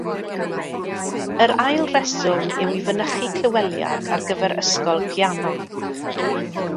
Yr ail reswm yw i fynychu clyweliad ar gyfer ysgol piano.